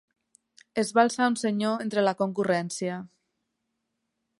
Es va alçar un senyor entre la concurrència.